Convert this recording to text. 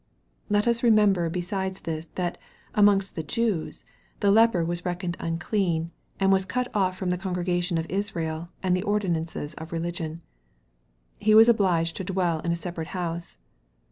Let us remember beside this, that, amongst the Jews, the leper was reckoned unclean, and was cut off from the congregation of Israel and the ordinances of religion. He was obliged to dwell in a separate house.